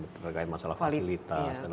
terkait masalah fasilitas dan apa sebagainya